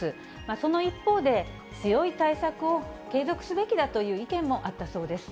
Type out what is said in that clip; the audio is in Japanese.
その一方で、強い対策を継続すべきだという意見もあったそうです。